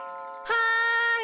はい。